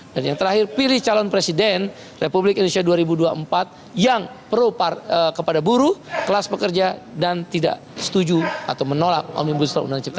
dan yang terakhir pilih calon presiden republik indonesia dua ribu dua puluh empat yang perupar kepada buruh kelas pekerja dan tidak setuju atau menolak omnibus law undang undang cipta